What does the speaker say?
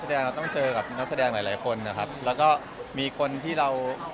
แสวได้ไงของเราก็เชียนนักอยู่ค่ะเป็นผู้ร่วมงานที่ดีมาก